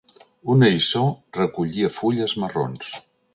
Un eriçó recollia fulles marrons.